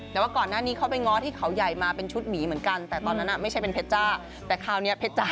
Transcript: แต่ว่าก่อนหน้านี้เขาไปง้อที่เขาใหญ่มาเป็นชุดหมีเหมือนกัน